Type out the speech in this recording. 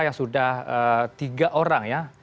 yang sudah tiga orang ya